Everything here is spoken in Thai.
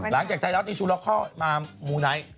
หลังจากไทรัฐที่ชูน็อคคอลมาหมูไนค์